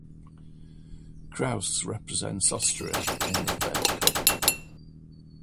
Kraus represents Austria in the Fed Cup.